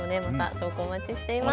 投稿、お待ちしております。